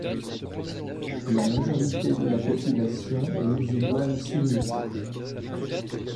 La majorité de la population est musulmane sunnite.